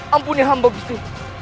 ampunnya hamba gusti